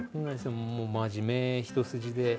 もう真面目一筋で。